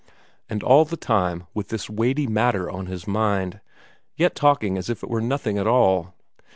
And all the time with this weighty matter on his mind, yet talking as if it were nothing at all.